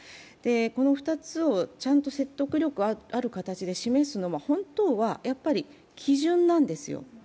この２つをちゃんと説得力ある形で示すのは、本当は基準なんですよ。